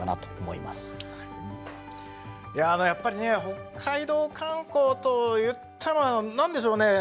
いややっぱりね北海道観光といっても何でしょうね